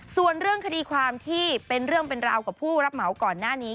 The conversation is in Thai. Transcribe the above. ส่วนเรื่องคดีความที่เป็นเรื่องเป็นราวกับผู้รับเหมาก่อนหน้านี้